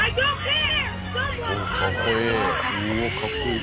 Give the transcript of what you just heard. おおかっこいい。